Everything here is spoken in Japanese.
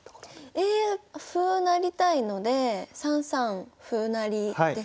え歩を成りたいので３三歩成ですかね。